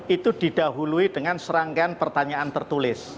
itu didahului dengan serangkaian pertanyaan tertulis